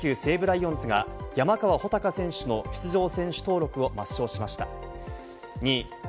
１位、プロ野球・西武ライオンズが山川穂高選手の出場選手登録を抹消しました。